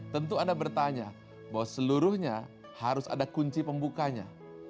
tentu anda bertanya bahwa seluruhnya harus ada kunci pembukanya